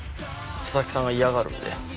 佐々木さんが嫌がるんで。